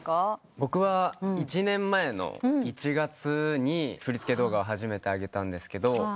僕は１年前の１月に振り付け動画を初めて上げたんですけど。